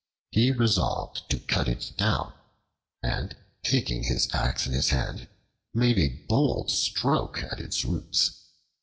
He resolved to cut it down, and taking his axe in his hand, made a bold stroke at its roots.